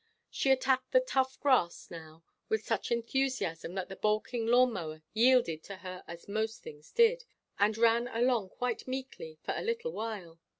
She attacked the tough grass now with such enthusiasm that the balking lawn mower yielded to her as most things did, and ran along quite meekly for a little while.